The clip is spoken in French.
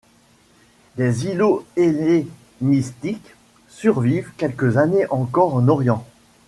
Des îlots hellénistiques survivent quelques années encore en Orient.